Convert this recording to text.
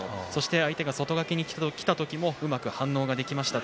相手が外掛けにきた時にもうまく反応できました。